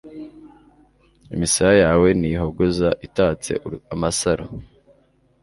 imisaya yawe ni ihogoza, itatse amasaro